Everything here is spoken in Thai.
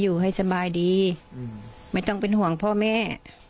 อยู่ให้สบายดีไม่ต้องเป็นห่วงพ่อแม่